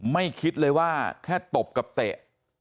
ไม่คิดเลยว่าแค่ตบกับเตะ